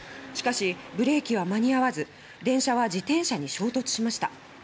しかしブレーキは間に合わず電車は自転車に衝突しました。